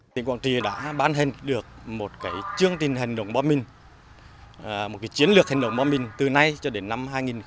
tỉnh quảng trị đã ban hình được một cái chương trình hành động bom mìn một cái chiến lược hành động bom mìn từ nay cho đến năm hai nghìn hai mươi năm